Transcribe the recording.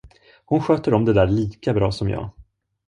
Hon sköter om det där lika bra som jag.